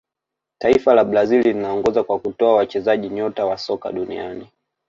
taifa la brazil linaongoza kwa kutoa wachezaji nyota wa soka duniani